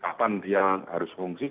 kapan dia harus berpenghujan